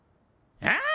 ああ。